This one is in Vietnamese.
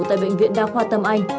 tại bệnh viện đa khoa tâm anh